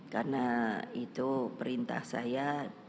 karena itu perintah saya